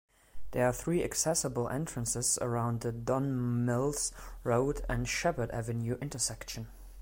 There are three accessible entrances around the Don Mills Road and Sheppard Avenue intersection.